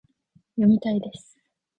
読みたいです